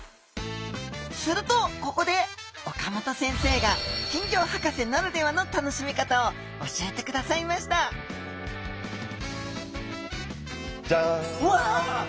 するとここで岡本先生が金魚博士ならではの楽しみ方を教えてくださいましたジャン。わ！